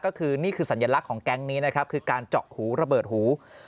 ก็คือนี่คือสัญลักษณ์ของแก๊งนี้นะครับคือการเจาะหูระเบิดหู